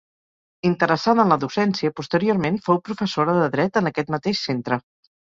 Interessada en la docència, posteriorment fou professora de dret en aquest mateix centre.